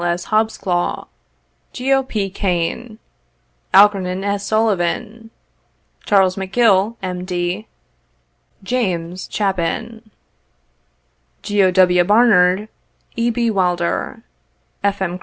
S. Hobsclaw, Geo. P. Kane, Algernon S. Sullivan, Chas. Macgill, M. D., Jas. Chapin, Geo. W. Barnard, E. B. Wilder, F. M.